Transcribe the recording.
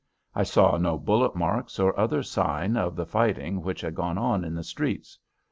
I saw no bullet marks or other sign of the fighting which had gone on in the streets.